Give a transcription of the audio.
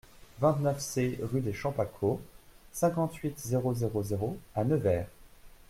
vingt-neuf C rue des Champs Pacaud, cinquante-huit, zéro zéro zéro à Nevers